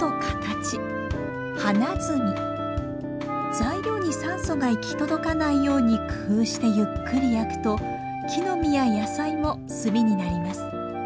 材料に酸素が行き届かないように工夫してゆっくり焼くと木の実や野菜も炭になります。